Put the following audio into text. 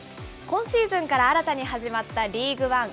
今シーズンから新たに始まったリーグワン。